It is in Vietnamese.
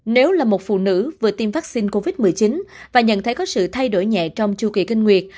nếu là một phụ nữ vừa tiêm vaccine covid một mươi chín và nhận thấy có sự thay đổi nhẹ trong chu kỳ kinh nguyệt